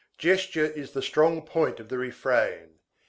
Gesture is the strong point of the refrain.